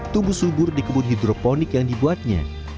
tumbuh subur di kebun hidroponik yang dibuatnya